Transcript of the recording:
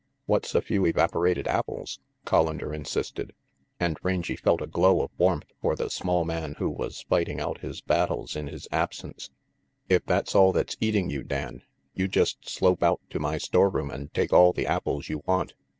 "What's a few evaporated apples?" Collander insisted; and Rangy felt a glow of warmth for the small man who was fighting out his battles in his absence. "If that's all that's eating you, Dan, you just slope out to my storeroom and take all the apples you want.